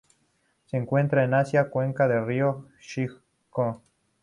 Se encuentran en Asia: cuenca del río Xe Kong.